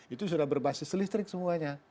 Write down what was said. itu sudah berbasis listrik semuanya